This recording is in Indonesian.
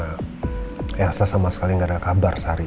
kayaknya asah sama sekali gak ada kabar seharian